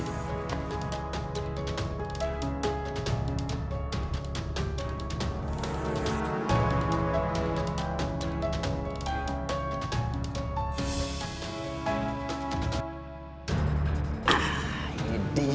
kamu bayar gak nih